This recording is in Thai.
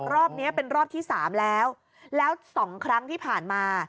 รอบนี้เป็นรอบที่๓แล้วแล้วสองครั้งที่ผ่านมา